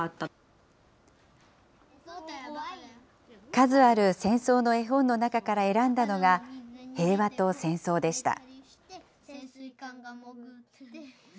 数ある戦争の絵本の中から選んだのが、へいわとせんそうでした。